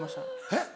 えっ？